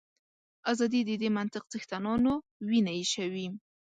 ازادي د دې منطق څښتنانو وینه ایشوي.